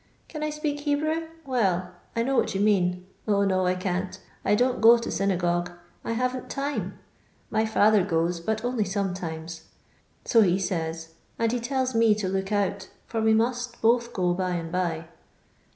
Can I ipeak Hebrew 1 Well, I know what yon mean. 0, no, I ean*t. I don't go to synaffogoe ; I haTen't time. My fiuher goes, but only ■ometimei ; eo he iaye, and he telli me to look oal, for we omit both go by and by."